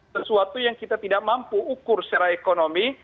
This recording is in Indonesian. sesuatu yang kita tidak mampu ukur secara ekonomi